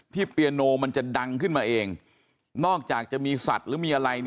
เปียโนมันจะดังขึ้นมาเองนอกจากจะมีสัตว์หรือมีอะไร